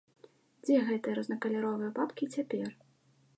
Дзе гэтыя рознакаляровыя папкі цяпер?